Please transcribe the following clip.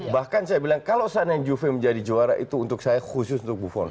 bahkan saya bilang kalau sana yang juve menjadi juara itu untuk saya khusus untuk buffon